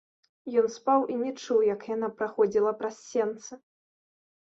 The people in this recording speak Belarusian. Ён спаў і не чуў, як яна праходзіла праз сенцы.